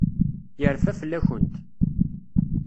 Yerfa fell-akent.